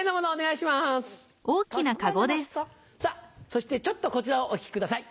そしてちょっとこちらをお聴きください。